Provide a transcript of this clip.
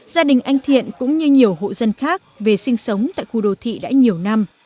gia đình anh thiện cũng như nhiều hộ dân khác về sinh sống tại khu đô thị đã nhiều năm